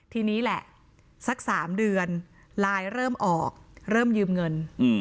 ทีนี้แหละสัก๓เดือนไลน์เริ่มออกเริ่มยืมเงิน